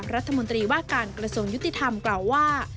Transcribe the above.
รัฐมนตรีว่าการกระทรวงยุติธรรมกล่าวว่า